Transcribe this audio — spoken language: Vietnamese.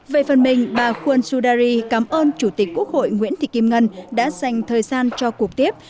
về phần mình bà khuân xu đa ri cảm ơn chủ tịch quốc hội nguyễn thị kim ngân đã dành thời gian cho cuộc tiếp